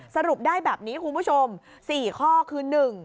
สรุปได้แบบนี้คุณผู้ชม๔ข้อคือ๑